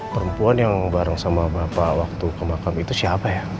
perempuan yang bareng sama bapak waktu ke makam itu siapa ya